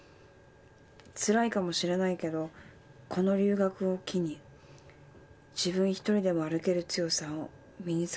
辛いかもしれないけどこの留学を機に自分一人でも歩ける強さを身に付けて欲しいと思います。